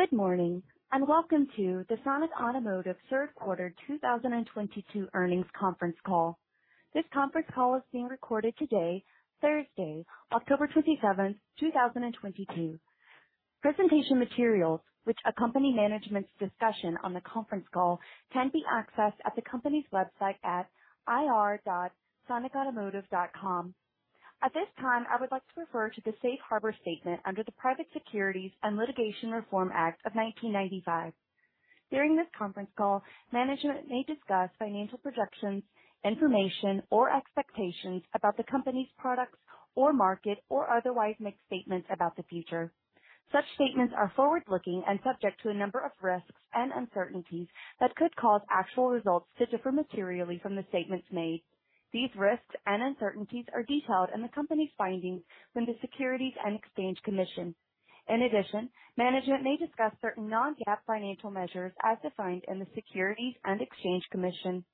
Good morning, and welcome to the Sonic Automotive third quarter 2022 earnings conference call. This conference call is being recorded today, Thursday, October 27, 2022. Presentation materials which accompany management's discussion on the conference call can be accessed at the company's website at ir.sonicautomotive.com. At this time, I would like to refer to the Safe Harbor statement under the Private Securities Litigation Reform Act of 1995. During this conference call, management may discuss financial projections, information, or expectations about the company's products or market, or otherwise make statements about the future. Such statements are forward-looking and subject to a number of risks and uncertainties that could cause actual results to differ materially from the statements made. These risks and uncertainties are detailed in the company's filings with the Securities and Exchange Commission. In addition, management may discuss certain non-GAAP financial measures as defined in the Securities and Exchange Commission.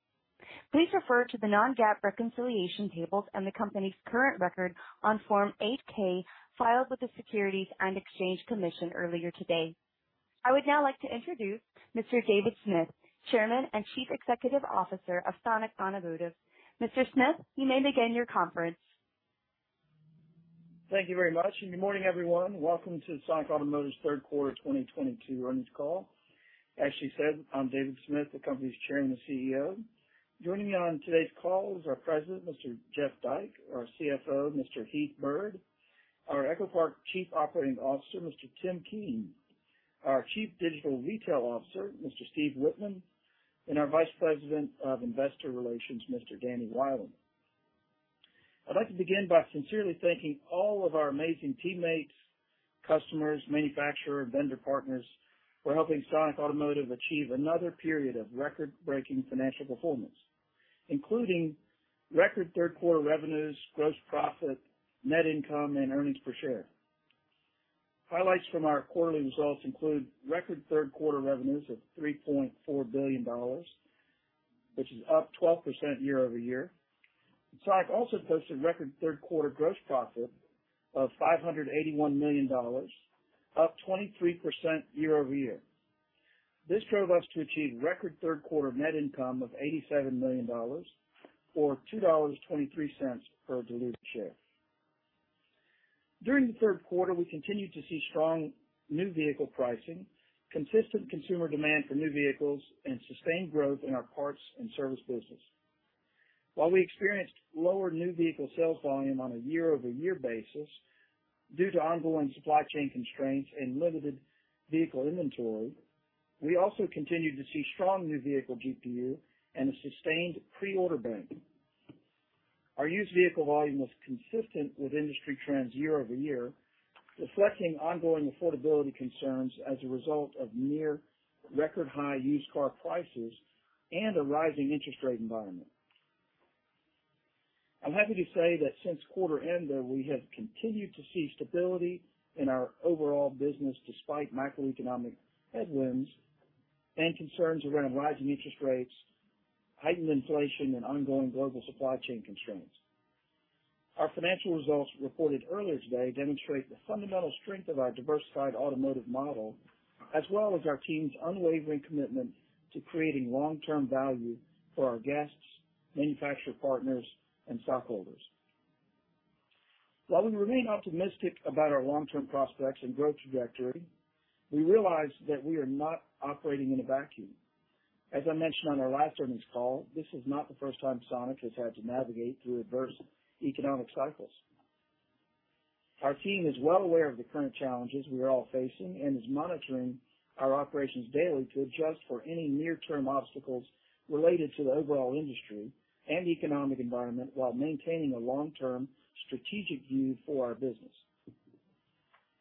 Please refer to the non-GAAP reconciliation tables and the company's current report on Form 8-K filed with the Securities and Exchange Commission earlier today. I would now like to introduce Mr. David Smith, Chairman and Chief Executive Officer of Sonic Automotive. Mr. Smith, you may begin your conference. Thank you very much, and good morning, everyone. Welcome to Sonic Automotive's third quarter 2022 earnings call. As she said, I'm David Smith, the company's chairman and CEO. Joining me on today's call is our president, Mr. Jeff Dyke, our CFO, Mr. Heath Byrd, our EchoPark Chief Operating Officer, Mr. Tim Keen, our Chief Digital Retail Officer, Mr. Steve Wittman, and our Vice President of Investor Relations, Mr. Danny Wieland. I'd like to begin by sincerely thanking all of our amazing teammates, customers, manufacturer, and vendor partners for helping Sonic Automotive achieve another period of record-breaking financial performance, including record third quarter revenues, gross profit, net income, and earnings per share. Highlights from our quarterly results include record third quarter revenues of $3.4 billion, which is up 12% year-over-year. Sonic also posted record third quarter gross profit of $581 million, up 23% year-over-year. This drove us to achieve record third quarter net income of $87 million, or $2.23 per diluted share. During the third quarter, we continued to see strong new vehicle pricing, consistent consumer demand for new vehicles, and sustained growth in our parts and service business. While we experienced lower new vehicle sales volume on a year-over-year basis due to ongoing supply chain constraints and limited vehicle inventory, we also continued to see strong new vehicle GPU and a sustained pre-order bank. Our used vehicle volume was consistent with industry trends year-over-year, reflecting ongoing affordability concerns as a result of near record-high used car prices and a rising interest rate environment. I'm happy to say that since quarter end, though, we have continued to see stability in our overall business despite macroeconomic headwinds and concerns around rising interest rates, heightened inflation, and ongoing global supply chain constraints. Our financial results reported earlier today demonstrate the fundamental strength of our diversified automotive model, as well as our team's unwavering commitment to creating long-term value for our guests, manufacturer partners, and stockholders. While we remain optimistic about our long-term prospects and growth trajectory, we realize that we are not operating in a vacuum. As I mentioned on our last earnings call, this is not the first time Sonic has had to navigate through adverse economic cycles. Our team is well aware of the current challenges we are all facing and is monitoring our operations daily to adjust for any near-term obstacles related to the overall industry and economic environment while maintaining a long-term strategic view for our business.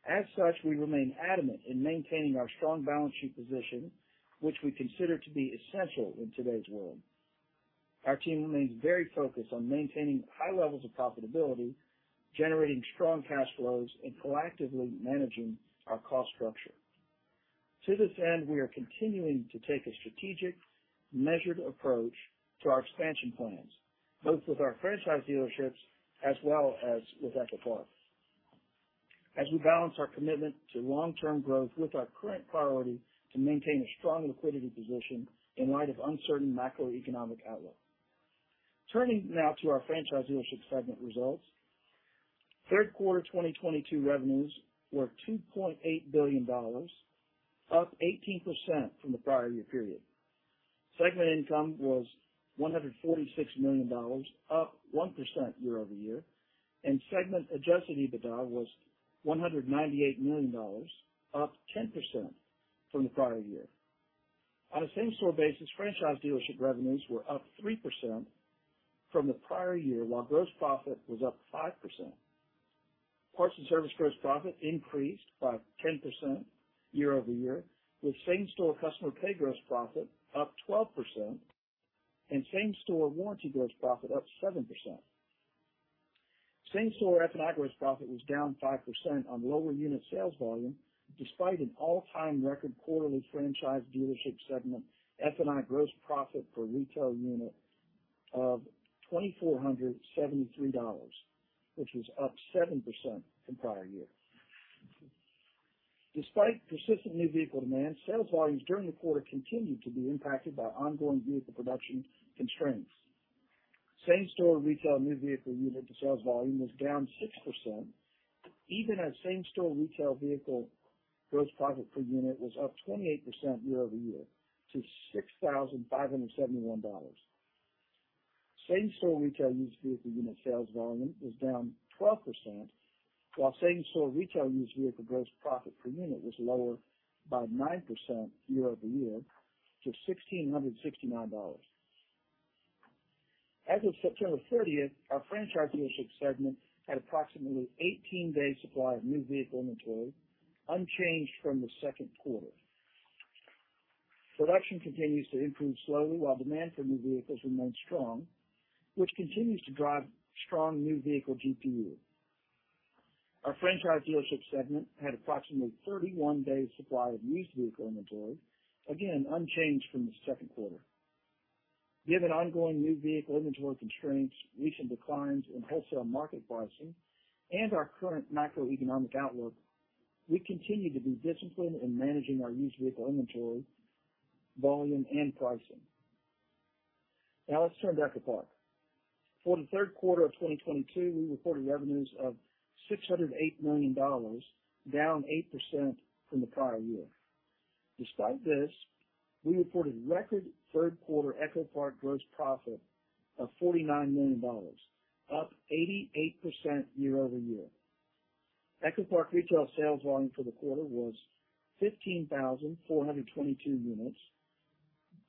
As such, we remain adamant in maintaining our strong balance sheet position, which we consider to be essential in today's world. Our team remains very focused on maintaining high levels of profitability, generating strong cash flows, and proactively managing our cost structure. To this end, we are continuing to take a strategic, measured approach to our expansion plans, both with our franchise dealerships as well as with EchoPark, as we balance our commitment to long-term growth with our current priority to maintain a strong liquidity position in light of uncertain macroeconomic outlook. Turning now to our franchise dealership segment results. Third quarter 2022 revenues were $2.8 billion, up 18% from the prior year period. Segment income was $146 million, up 1% year-over-year, and segment adjusted EBITDA was $198 million, up 10% from the prior year. On a same-store basis, franchise dealership revenues were up 3% from the prior year, while gross profit was up 5%. Parts and service gross profit increased by 10% year-over-year, with same-store customer pay gross profit up 12% and same-store warranty gross profit up 7%. Same-store F&I gross profit was down 5% on lower unit sales volume despite an all-time record quarterly franchise dealership segment F&I gross profit per retail unit of $2,473, which was up 7% from prior year. Despite persistent new vehicle demand, sales volumes during the quarter continued to be impacted by ongoing vehicle production constraints. Same-store retail new vehicle unit sales volume was down 6%, even as same-store retail vehicle gross profit per unit was up 28% year-over-year to $6,571. Same-store retail used vehicle unit sales volume was down 12%, while same-store retail used vehicle gross profit per unit was lower by 9% year-over-year to $1,669. As of September thirtieth, our franchise dealership segment had approximately 18 days supply of new vehicle inventory, unchanged from the second quarter. Production continues to improve slowly while demand for new vehicles remains strong, which continues to drive strong new vehicle GPU. Our franchise dealership segment had approximately 31 days supply of used vehicle inventory, again, unchanged from the second quarter. Given ongoing new vehicle inventory constraints, recent declines in wholesale market pricing, and our current macroeconomic outlook, we continue to be disciplined in managing our used vehicle inventory, volume and pricing. Now let's turn to EchoPark. For the third quarter of 2022, we reported revenues of $608 million, down 8% from the prior year. Despite this, we reported record third quarter EchoPark gross profit of $49 million, up 88% year-over-year. EchoPark retail sales volume for the quarter was 15,422 units,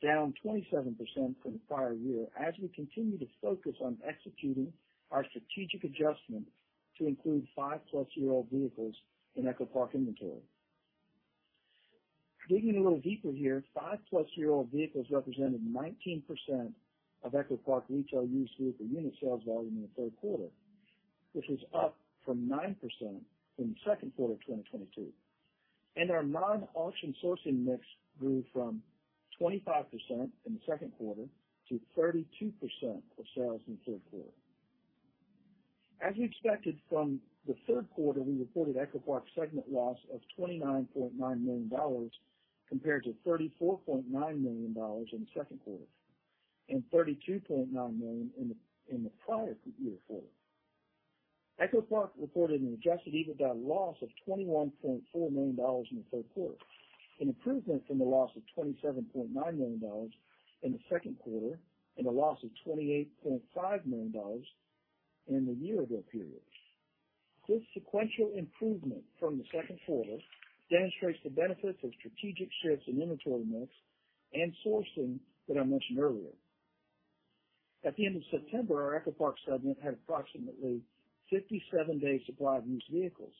down 27% from the prior year as we continue to focus on executing our strategic adjustment to include 5+-year-old vehicles in EchoPark inventory. Digging a little deeper here, 5+-year-old vehicles represented 19% of EchoPark retail used vehicle unit sales volume in the third quarter, which is up from 9% in the second quarter of 2022. Our non-auction sourcing mix grew from 25% in the second quarter to 32% of sales in the third quarter. As we expected from the third quarter, we reported EchoPark segment loss of $29.9 million compared to $34.9 million in the second quarter and $32.9 million in the prior year quarter. EchoPark reported an adjusted EBITDA loss of $21.4 million in the third quarter, an improvement from the loss of $27.9 million in the second quarter and a loss of $28.5 million in the year ago period. This sequential improvement from the second quarter demonstrates the benefits of strategic shifts in inventory mix and sourcing that I mentioned earlier. At the end of September, our EchoPark segment had approximately 57 days supply of used vehicles.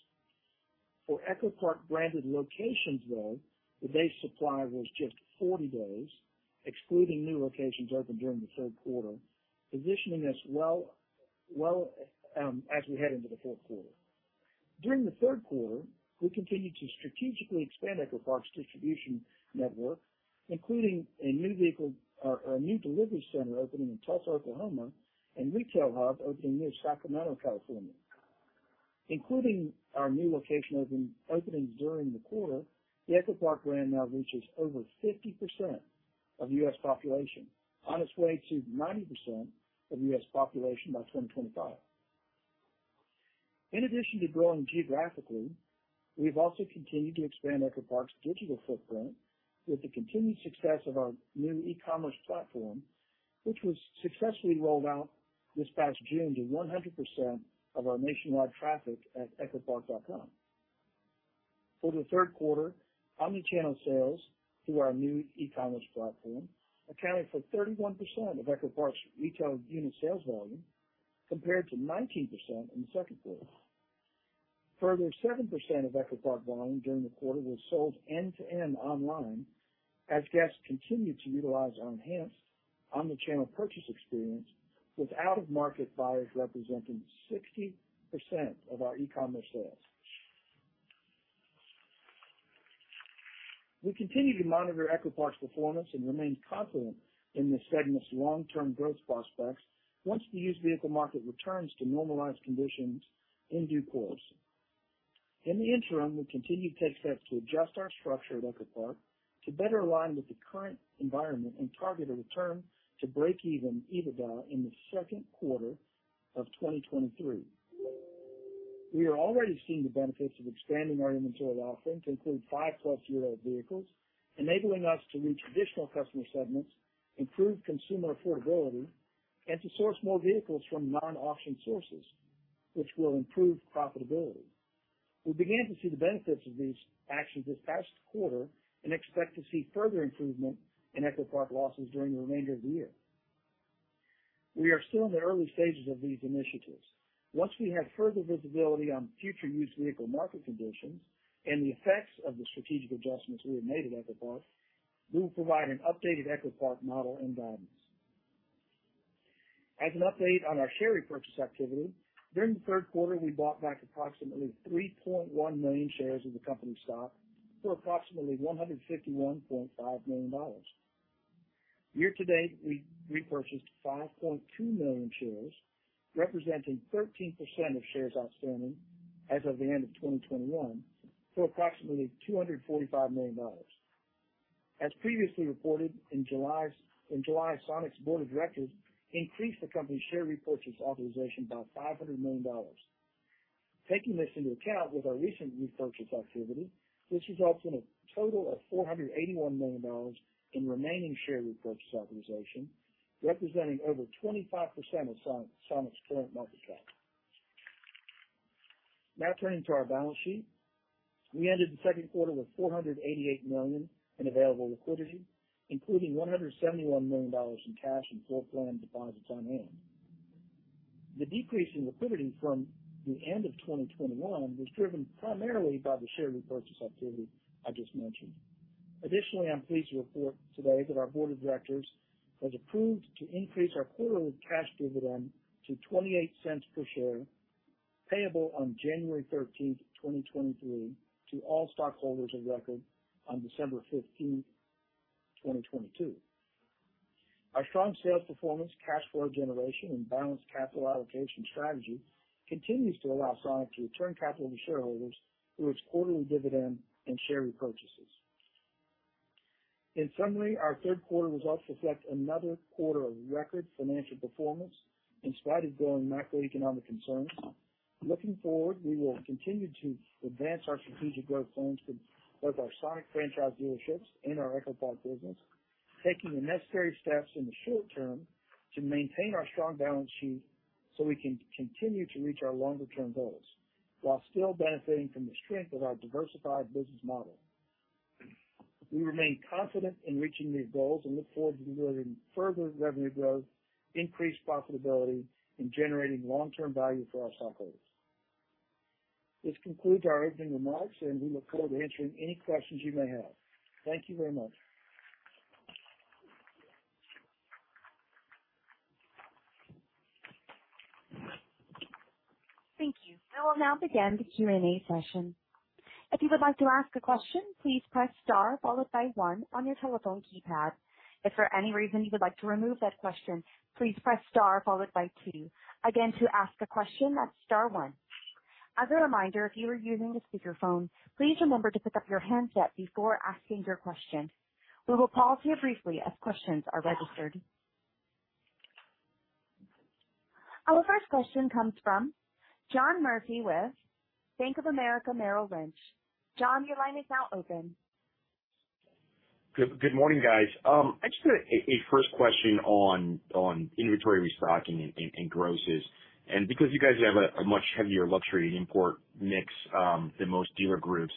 EchoPark branded locations, though, the base supply was just 40 days, excluding new locations opened during the third quarter, positioning us well as we head into the fourth quarter. During the third quarter, we continued to strategically expand EchoPark's distribution network, including a new delivery center opening in Tulsa, Oklahoma, and retail hub opening near Sacramento, California. Including our new location openings during the quarter, the EchoPark brand now reaches over 50% of the U.S. population, on its way to 90% of the U.S. population by 2025. In addition to growing geographically, we've also continued to expand EchoPark's digital footprint with the continued success of our new e-commerce platform, which was successfully rolled out this past June to 100% of our nationwide traffic at echopark.com. For the third quarter, omnichannel sales through our new e-commerce platform accounted for 31% of EchoPark's retail unit sales volume, compared to 19% in the second quarter. Further, 7% of EchoPark volume during the quarter was sold end to end online as guests continued to utilize our enhanced omnichannel purchase experience, with out-of-market buyers representing 60% of our e-commerce sales. We continue to monitor EchoPark's performance and remain confident in this segment's long-term growth prospects once the used vehicle market returns to normalized conditions in due course. In the interim, we've continued to take steps to adjust our structure at EchoPark to better align with the current environment and target a return to break-even EBITDA in the second quarter of 2023. We are already seeing the benefits of expanding our inventory offerings to include 5+-year-old vehicles, enabling us to reach additional customer segments, improve consumer affordability, and to source more vehicles from non-auction sources, which will improve profitability. We began to see the benefits of these actions this past quarter and expect to see further improvement in EchoPark losses during the remainder of the year. We are still in the early stages of these initiatives. Once we have further visibility on future used vehicle market conditions and the effects of the strategic adjustments we have made at EchoPark, we will provide an updated EchoPark model and guidance. As an update on our share repurchase activity, during the third quarter, we bought back approximately 3.1 million shares of the company stock for approximately $151.5 million. Year-to-date, we repurchased 5.2 million shares, representing 13% of shares outstanding as of the end of 2021 for approximately $245 million. As previously reported, in July, Sonic's board of directors increased the company's share repurchase authorization by $500 million. Taking this into account with our recent repurchase activity, this results in a total of $481 million in remaining share repurchase authorization, representing over 25% of Sonic's current market cap. Now turning to our balance sheet. We ended the second quarter with $488 million in available liquidity, including $171 million in cash and short-term deposits on hand. The decrease in liquidity from the end of 2021 was driven primarily by the share repurchase activity I just mentioned. Additionally, I'm pleased to report today that our board of directors has approved to increase our quarterly cash dividend to $0.28 per share, payable on January 13, 2023, to all stockholders of record on December 15, 2022. Our strong sales performance, cash flow generation, and balanced capital allocation strategy continues to allow Sonic to return capital to shareholders through its quarterly dividend and share repurchases. In summary, our third quarter results reflect another quarter of record financial performance in spite of growing macroeconomic concerns. Looking forward, we will continue to advance our strategic growth plans for both our Sonic franchise dealerships and our EchoPark business, taking the necessary steps in the short term to maintain our strong balance sheet so we can continue to reach our longer term goals while still benefiting from the strength of our diversified business model. We remain confident in reaching these goals and look forward to delivering further revenue growth, increased profitability, and generating long-term value for our stockholders. This concludes our opening remarks, and we look forward to answering any questions you may have. Thank you very much. Thank you. I will now begin the Q&A session. If you would like to ask a question, please press star followed by one on your telephone keypad. If for any reason you would like to remove that question, please press star followed by two. Again, to ask a question, that's star one. As a reminder, if you are using a speakerphone, please remember to pick up your handset before asking your question. We will pause here briefly as questions are registered. Our first question comes from John Murphy with Bank of America Merrill Lynch. John, your line is now open. Good morning, guys. I just got a first question on inventory restocking and grosses. You guys have a much heavier luxury import mix than most dealer groups,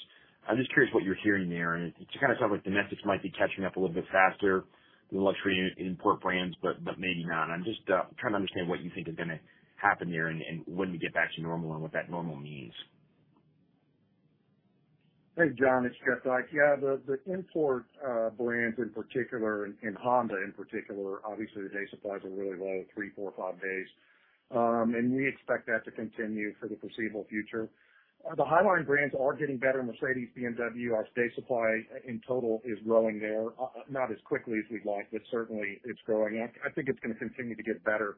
I'm just curious what you're hearing there. It kind of sounds like domestic might be catching up a little bit faster than luxury import brands, but maybe not. I'm just trying to understand what you think is gonna happen there and when you get back to normal and what that normal means. Hey, John, it's Jeff Dyke. Yeah, the import brands in particular and Honda in particular, obviously the days supply are really low, 3, 4, 5 days. We expect that to continue for the foreseeable future. The highline brands are getting better. Mercedes, BMW, our days supply in total is growing there, not as quickly as we'd like, but certainly it's growing. I think it's gonna continue to get better,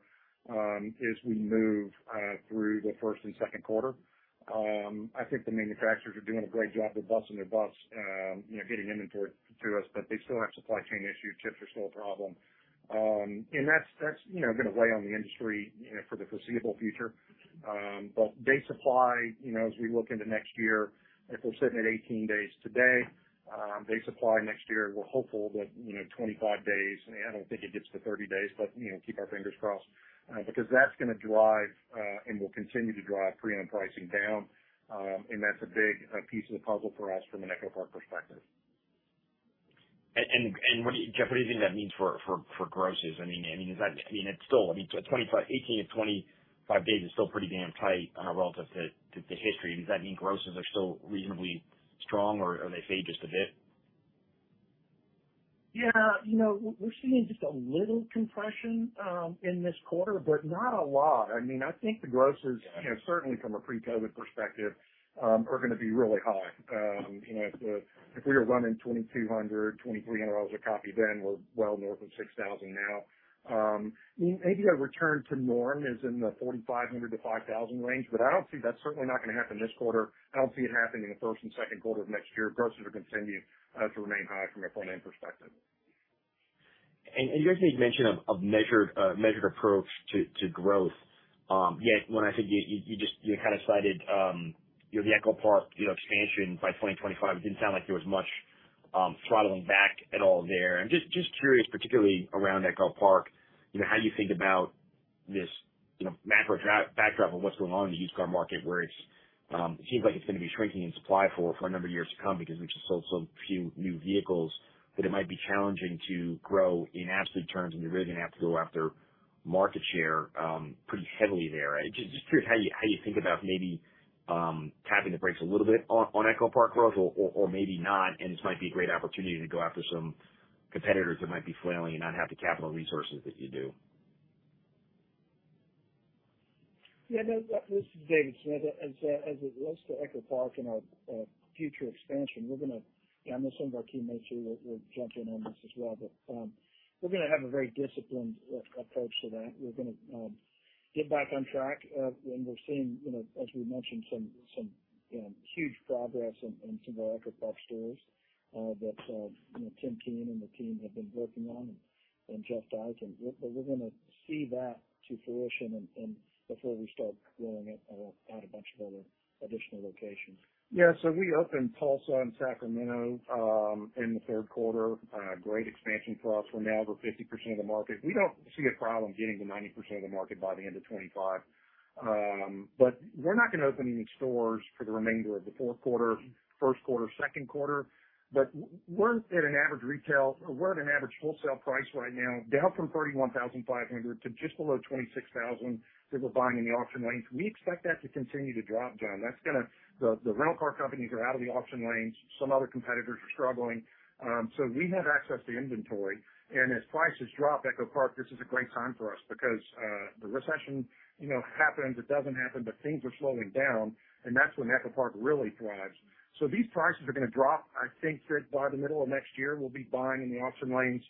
as we move through the first and second quarter. I think the manufacturers are doing a great job of busting their butts, you know, getting inventory to us, but they still have supply chain issues. Chips are still a problem. That's you know gonna weigh on the industry, you know, for the foreseeable future. Day supply, you know, as we look into next year, if we're sitting at 18 days today, day supply next year, we're hopeful that, you know, 25 days, I don't think it gets to 30 days, but, you know, keep our fingers crossed. Because that's gonna drive and will continue to drive pre-owned pricing down. That's a big piece of the puzzle for us from an EchoPark perspective. What do you think that means for grosses? I mean, it's still, I mean, 18-25 days is still pretty damn tight relative to history. Does that mean grosses are still reasonably strong or are they fading just a bit? We're seeing just a little compression in this quarter, but not a lot. I mean, I think the grosses, you know, certainly from a pre-COVID perspective, are gonna be really high. If we were running $2,200-$2,300 a pop then, we're well north of $6,000 now. Maybe a return to norm is in the $4,500-$5,000 range, but I don't see. That's certainly not gonna happen this quarter. I don't see it happening in the first and second quarter of next year. Grosses are gonna continue to remain high from an F&I perspective. You guys made mention of measured approach to growth. Yet when I think you just kind of cited you know the EchoPark you know expansion by 2025, it didn't sound like there was much throttling back at all there. I'm just curious, particularly around EchoPark, you know, how you think about this you know macro backdrop of what's going on in the used car market where it seems like it's gonna be shrinking in supply for a number of years to come because we've just sold so few new vehicles, that it might be challenging to grow in absolute terms, and you're really gonna have to go after market share pretty heavily there. I'm just curious how you think about maybe tapping the brakes a little bit on EchoPark growth or maybe not, and this might be a great opportunity to go after some competitors that might be flailing and not have the capital resources that you do. This is David. As it relates to EchoPark and our future expansion, we're gonna. I know some of our teammates here will jump in on this as well, but we're gonna have a very disciplined approach to that. We're gonna get back on track. We're seeing, you know, as we mentioned, some, you know, huge progress on some of our EchoPark stores, that, you know, Tim Keen and the team have been working on and Jeff Dyke. We're gonna see that to fruition and before we start rolling it out a bunch of other additional locations. We opened Tulsa and Sacramento in the third quarter. Great expansion for us. We're now over 50% of the market. We don't see a problem getting to 90% of the market by the end of 2025. We're not gonna open any stores for the remainder of the fourth quarter, first quarter, second quarter. We're at an average wholesale price right now, down from $31,500 to just below $26,000 that we're buying in the auction lanes. We expect that to continue to drop, John. The rental car companies are out of the auction lanes. Some other competitors are struggling. We have access to inventory. As prices drop, EchoPark, this is a great time for us because the recession, happens, it doesn't happen, but things are slowing down, and that's when EchoPark really thrives. These prices are gonna drop. I think that by the middle of next year, we'll be buying in the auction lanes,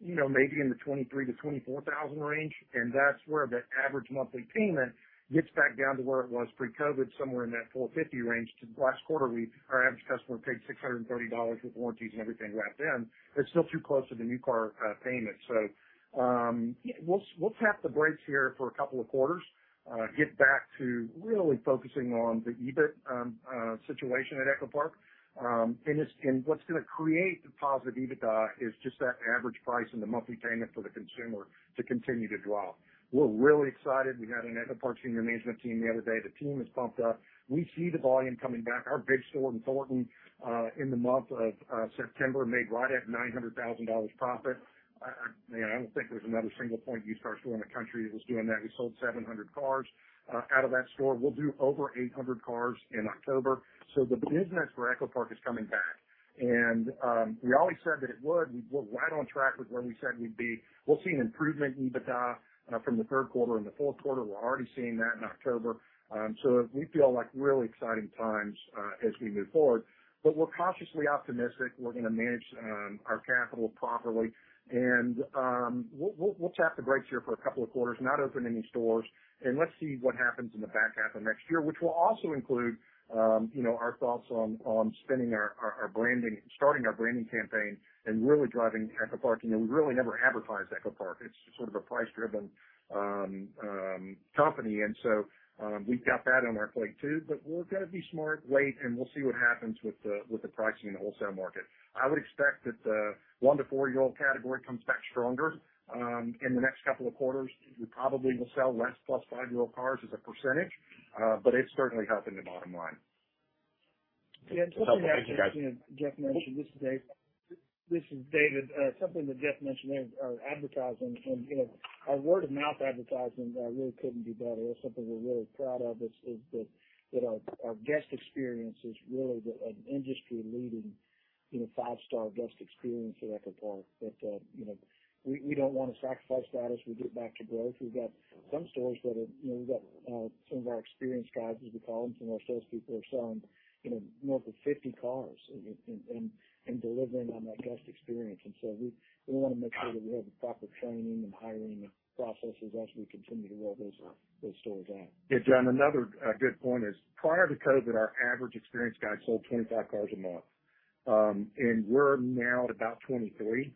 you know, maybe in the $23,000-$24,000 range, and that's where the average monthly payment gets back down to where it was pre-COVID, somewhere in that $450 range. In last quarter, our average customer paid $630 with warranties and everything wrapped in. It's still too close to the new car payment. We'll tap the brakes here for a couple of quarters, get back to really focusing on the EBIT situation at EchoPark. What's gonna create the positive EBITDA is just that average price and the monthly payment for the consumer to continue to drop. We're really excited. We had an EchoPark senior management team the other day. The team is pumped up. We see the volume coming back. Our big store in Thornton in the month of September made right at $900,000 profit. You know, I don't think there's another single point used car store in the country that was doing that. We sold 700 cars out of that store. We'll do over 800 cars in October. The business for EchoPark is coming back. We always said that it would. We're right on track with where we said we'd be. We'll see an improvement in EBITDA from the third quarter and the fourth quarter. We're already seeing that in October. We feel like really exciting times as we move forward. We're cautiously optimistic. We're gonna manage our capital properly. We'll tap the brakes here for a couple of quarters, not open any stores, and let's see what happens in the back half of next year, which will also include our thoughts on spending our branding, starting our branding campaign and really driving EchoPark. We really never advertise EchoPark. It's sort of a price-driven company. We've got that on our plate too. We're gonna be smart, wait, and we'll see what happens with the pricing in the wholesale market. I would expect that the 1-4-year-old category comes back stronger in the next couple of quarters. We probably will sell less +5-year-old cars as a percentage, but it's certainly helping the bottom line. Thank you, guys. Jeff mentioned. This is David. Something that Jeff mentioned there, our advertising and, you know, our word of mouth advertising really couldn't be better. That's something we're really proud of is that our guest experience is really an industry-leading, you know, five-star guest experience at EchoPark. We don't wanna sacrifice that as we get back to growth. We've got some stores that are, you know, we've got some of our experienced drivers, we call them, some of our salespeople are selling, you know, more than 50 cars and delivering on that guest experience. We wanna make sure that we have the proper training and hiring processes as we continue to roll those stores out. Yeah, John, another good point is prior to COVID, our average experienced guy sold 25 cars a month. We're now at about 23.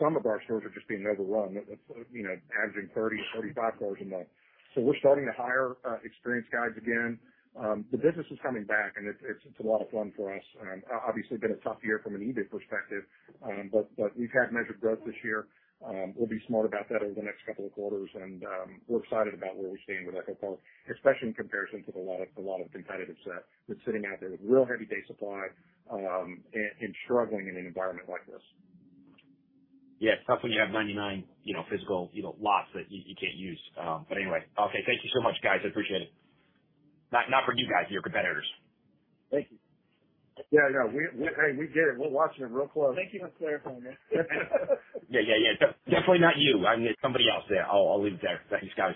Some of our stores are just being overrun with, you know, averaging 30-35 cars a month. We're starting to hire experienced guys again. The business is coming back and it's a lot of fun for us. Obviously been a tough year from an EBIT perspective. We've had measured growth this year. We'll be smart about that over the next couple of quarters, and we're excited about where we stand with EchoPark, especially in comparison to a lot of competitive set that's sitting out there with really heavy day supply, and struggling in an environment like this. It's tough when you have 99, you know, physical, you know, lots that you can't use. Anyway. Okay. Thank you so much, guys. I appreciate it. Not for you guys, your competitors. Thank you. Yeah. No. Hey, we get it. We're watching them real close. Thank you for clarifying that. Yeah, yeah. Definitely not you. I mean, somebody else there. I'll leave it there. Thanks, guys.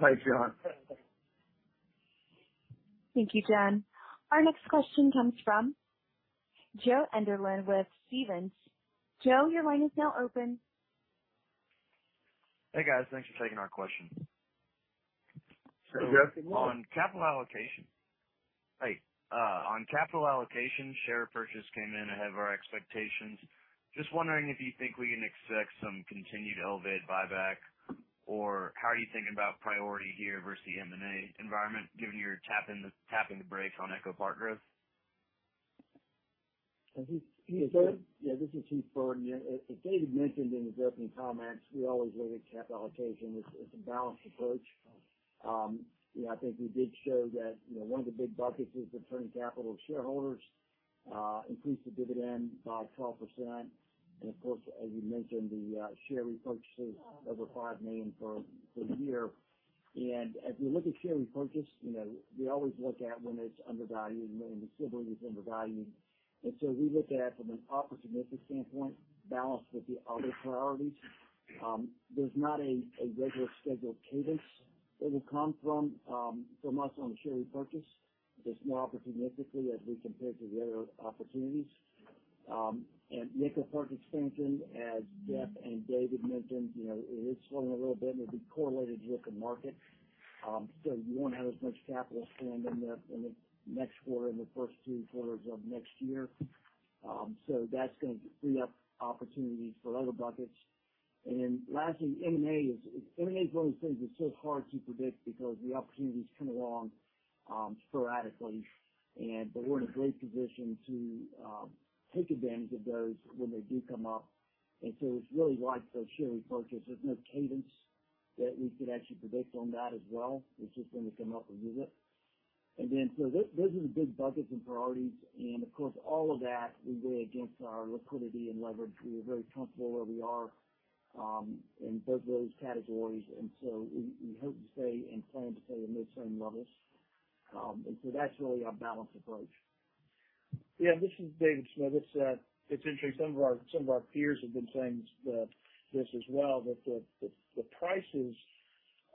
Thanks, John. Thank you, John. Our next question comes from Joe Enders with Stephens. Joe, your line is now open. Hey, guys. Thanks for taking our questions. Hey, Joe. Good morning. On capital allocation. Hey, on capital allocation, share repurchase came in ahead of our expectations. Just wondering if you think we can expect some continued elevated buyback or how are you thinking about priority here versus the M&A environment given your tapping the brakes on EchoPark growth? Is this Hearth? Yeah. This is Heath Byrd. As David Smith mentioned in his opening comments, we always look at capital allocation as a balanced approach. You know, I think we did show that, you know, one of the big buckets is returning capital to shareholders, increased the dividend by 12%. Of course, as you mentioned, the share repurchases over 5 million for the year. As we look at share repurchase, you know, we always look at when it's undervalued, and when we feel it's undervaluing. We look at it from an opportunistic standpoint, balanced with the other priorities. There's not a regular scheduled cadence that'll come from us on the share repurchase. It's more opportunistically as we compare to the other opportunities. EchoPark expansion, as Jeff and David mentioned, you know, it is slowing a little bit and it'll be correlated with the market. You won't have as much capital spend in the next quarter and the first two quarters of next year. That's gonna free up opportunities for other buckets. Lastly, M&A is one of those things that's so hard to predict because the opportunities come along sporadically. We're in a great position to take advantage of those when they do come up. It's really like the share repurchase. There's no cadence that we could actually predict on that as well. It's just when they come up, we'll do it. Those are the big buckets and priorities, and of course, all of that we weigh against our liquidity and leverage. We are very comfortable where we are in both those categories, and we hope to stay and plan to stay in those same levels. That's really our balanced approach. Yeah, this is David Smith. It's interesting. Some of our peers have been saying this as well, that the prices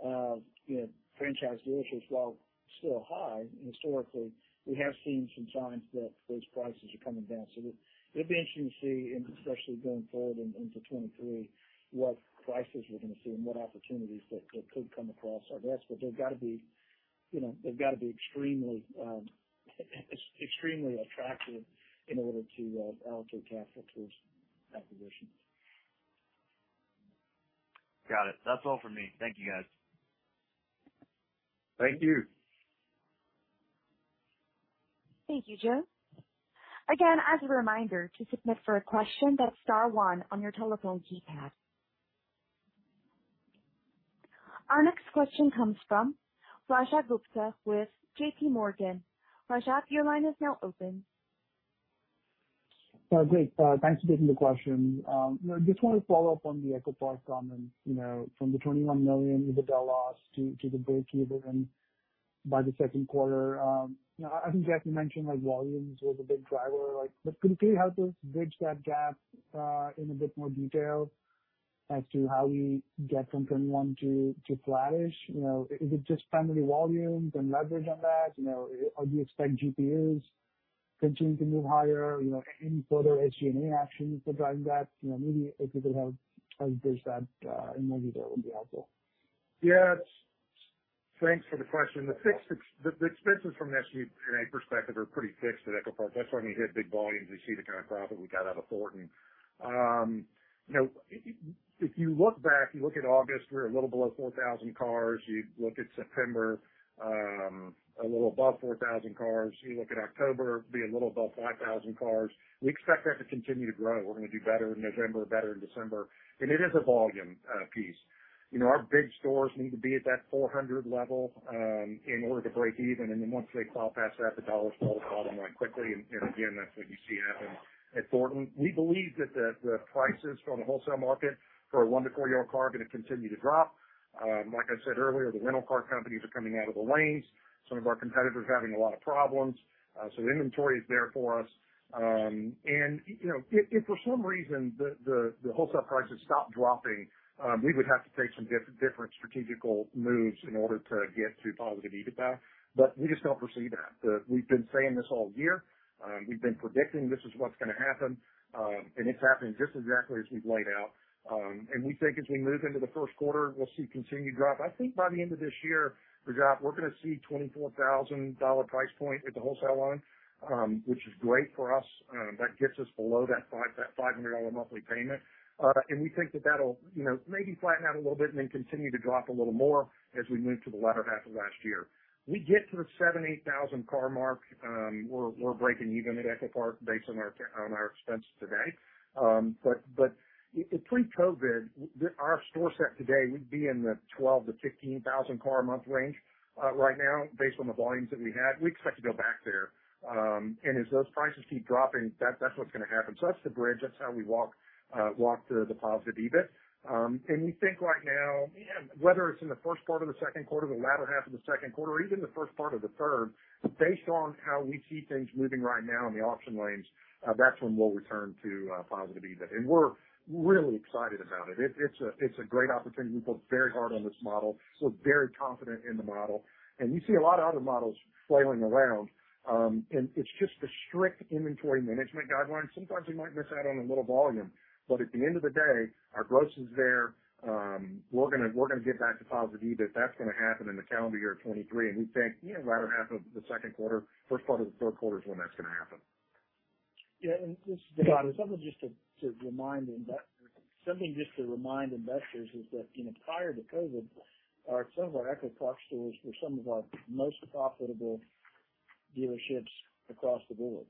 of, you know, franchise dealerships, while still high historically, we have seen some signs that those prices are coming down. It'll be interesting to see, and especially going forward into 2023, what prices we're gonna see and what opportunities that could come across our desk. They've gotta be, you know, extremely attractive in order to allocate capital towards acquisitions. Got it. That's all for me. Thank you, guys. Thank you. Thank you, Joe. Again, as a reminder, to submit for a question, that's star one on your telephone keypad. Our next question comes from Rajat Gupta with J.P. Morgan. Rajat, your line is now open. Great. Thanks for taking the question. You know, just wanted to follow up on the EchoPark comments, you know, from the $21 million EBITDA loss to the breakeven by the second quarter. You know, I think Jeff, you mentioned like volumes was a big driver, like, but can you help us bridge that gap in a bit more detail as to how we get from 21 to flattish? You know, is it just primarily volumes and leverage on that? You know, or do you expect GPUs continuing to move higher? You know, any further SG&A actions for driving that? You know, maybe if you could help bridge that in more detail would be helpful. Yes. Thanks for the question. The fixed expenses from an SG&A perspective are pretty fixed at EchoPark. That's when you hit big volumes, you see the kind of profit we got out of Thornton. You know, if you look back, you look at August, we're a little below 4,000 cars. You look at September, a little above 4,000 cars. You look at October, it'd be a little above 5,000 cars. We expect that to continue to grow. We're gonna do better in November, better in December. It is a volume piece. Our big stores need to be at that 400 level in order to break even. Then once they plow past that, the dollars fall to the bottom line quickly. Again, that's what you see happening at Thornton. We believe that the prices from the wholesale market for a 1- to 4-year-old car are gonna continue to drop. Like I said earlier, the rental car companies are coming out of the lanes. Some of our competitors are having a lot of problems. The inventory is there for us. If for some reason the wholesale prices stop dropping, we would have to take some different strategic moves in order to get to positive EBITDA, but we just don't foresee that. We've been saying this all year. We've been predicting this is what's gonna happen, and it's happening just exactly as we've laid out. We think as we move into the first quarter, we'll see continued drop. I think by the end of this year, Rajat, we're gonna see $24,000 price point at the wholesale line, which is great for us. That gets us below that $500 monthly payment. We think that'll, you know, maybe flatten out a little bit and then continue to drop a little more as we move to the latter half of last year. We get to the 7,000-8,000 car mark, we're breaking even at EchoPark based on our expenses today. But pre-COVID, our store set today would be in the 12,000-15,000 car a month range, right now based on the volumes that we had. We expect to go back there. As those prices keep dropping, that's what's gonna happen. That's the bridge. That's how we walk to the positive EBIT. We think right now, you know, whether it's in the first part of the second quarter, the latter half of the second quarter, or even the first part of the third, based on how we see things moving right now in the auction lanes, that's when we'll return to positive EBIT. We're really excited about it. It's a great opportunity. We've worked very hard on this model, so very confident in the model. You see a lot of other models flailing around, and it's just the strict inventory management guidelines. Sometimes you might miss out on a little volume, but at the end of the day, our gross is there. We're gonna get back to positive EBIT. That's gonna happen in the calendar year of 2023, and we think, you know, latter half of the second quarter, first part of the third quarter is when that's gonna happen. This is David. Something just to remind investors is that, prior to COVID, some of our EchoPark stores were some of our most profitable dealerships across the board,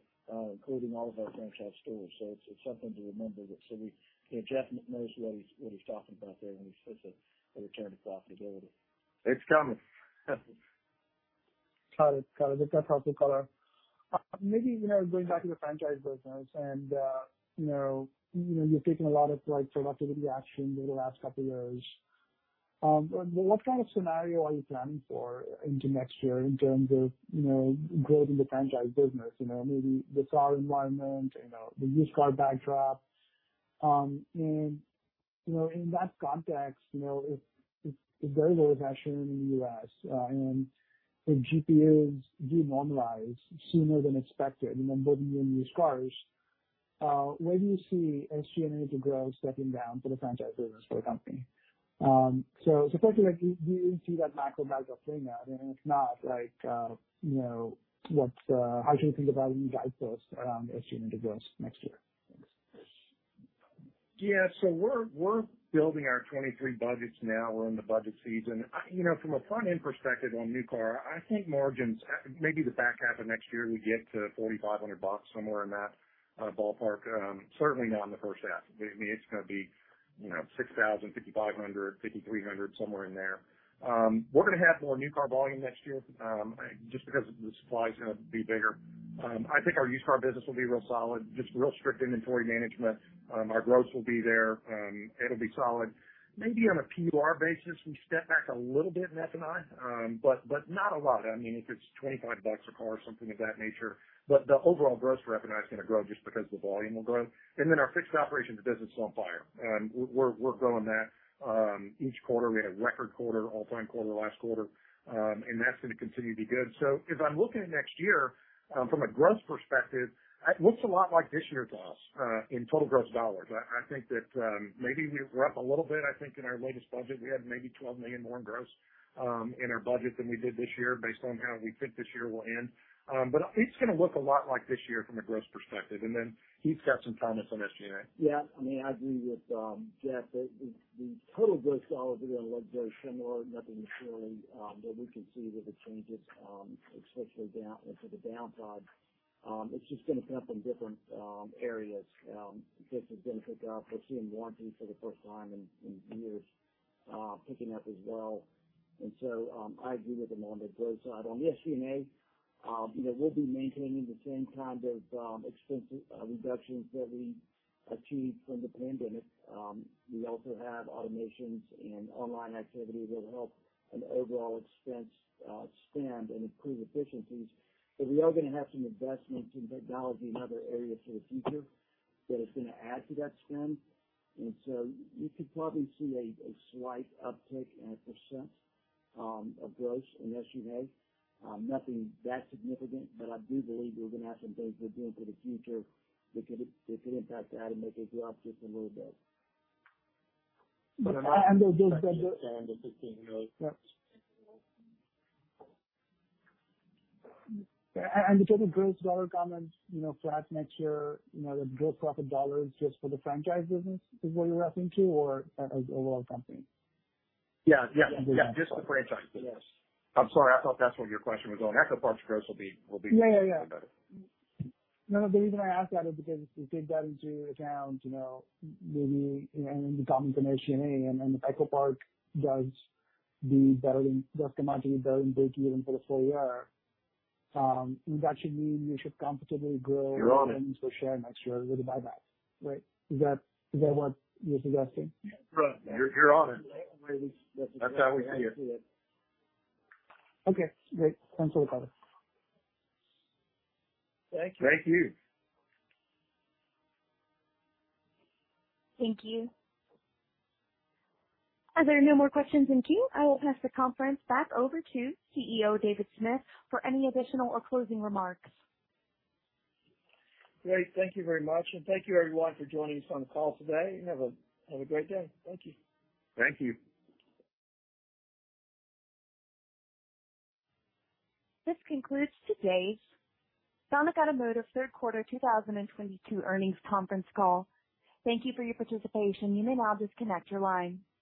including all of our franchise stores. It's something to remember that. We, you know, Jeff knows what he's talking about there when he says a return to profitability. It's coming. Got it. That's helpful, color. Maybe, you know, going back to the franchise business and, you're taking a lot of, like, productivity action over the last couple years. What kind of scenario are you planning for into next year in terms of, you know, growing the franchise business? You know, maybe the car environment, the used car backdrop. In that context, you know, if there is a recession in the U.S., and if GPUs denormalize sooner than expected, and then building in new cars, where do you see SG&A growth stepping down for the franchise business for the company? Especially, like, do you see that macro backdrop playing out? If not, like, how should we think about you guys post around SG&A growth next year? Thanks. Yeah. We're building our 2023 budgets now. We're in the budget season. From a front-end perspective on new car, I think margins, maybe the back half of next year we get to $4,500, somewhere in that ballpark. Certainly not in the first half. I mean, it's gonna be, you know, $6,000, $5,500, $5,300, somewhere in there. We're gonna have more new car volume next year, just because the supply is gonna be bigger. I think our used car business will be real solid, just real strict inventory management. Our gross will be there. It'll be solid. Maybe on a PUR basis, we step back a little bit in F&I, but not a lot. I mean, if it's $25 a car or something of that nature. The overall gross for F&I is gonna grow just because the volume will grow. Our fixed operations business is on fire. We're growing that each quarter. We had a record quarter, all-time quarter last quarter. That's gonna continue to be good. As I'm looking at next year, from a gross perspective, it looks a lot like this year to us, in total gross dollars. I think that maybe we're up a little bit. I think in our latest budget, we had maybe $12 million more in gross, in our budget than we did this year, based on how we think this year will end. It's gonna look a lot like this year from a gross perspective. He's got some comments on SG&A. Yeah. I mean, I agree with Jeff that the total gross dollars are gonna look very similar. Nothing materially that we can see with the changes, especially down to the downside. It's just gonna come from different areas. Different benefits. We're seeing warranty for the first time in years, picking up as well. I agree with him on the gross side. On the SG&A, you know, we'll be maintaining the same kind of expense reductions that we achieved from the pandemic. We also have automations and online activity that'll help an overall expense spend and improve efficiencies. We are gonna have some investments in technology and other areas for the future that is gonna add to that spend. You could probably see a slight uptick in our percent of gross in SG&A. Nothing that significant, but I do believe we're gonna have some things we're doing for the future that could impact that and make it grow up just a little bit. But, and the gross- The good news is that the Yeah. The kind of gross dollar comments, or us next year, you know, the gross profit dollars just for the franchise business is what you're referring to or, an overall company? Yeah. Just the franchise business. Yes. I'm sorry. I thought that's where your question was going. EchoPark's gross will be. Yeah. A little better. No, the reason I ask that is because if you take that into account, you know, maybe, you know, and the comments on SG&A and if EchoPark does do better than gross margin better than per unit for the full year, that should mean you should comfortably grow. You're on it. EPS next year with the buybacks, right? Is that, is that what you're suggesting? Yeah. You're on it. That's how we see it. Okay, great. Thanks for the color. Thank you. Thank you. Thank you. As there are no more questions in queue, I will pass the conference back over to CEO David Smith for any additional or closing remarks. Great. Thank you very much, and thank you everyone for joining us on the call today, and have a great day. Thank you. Thank you. This concludes today's Sonic Automotive third quarter 2022 earnings conference call. Thank you for your participation. You may now disconnect your line.